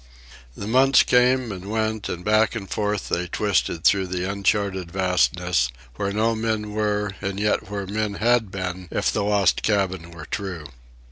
The months came and went, and back and forth they twisted through the uncharted vastness, where no men were and yet where men had been if the Lost Cabin were true.